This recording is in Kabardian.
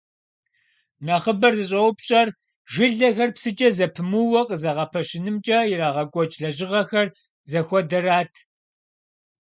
Нэхъыбэр зыщӀэупщӀэр жылэхэр псыкӀэ зэпымыууэ къызэгъэпэщынымкӀэ ирагъэкӀуэкӀ лэжьыгъэхэр зыхуэдэрат.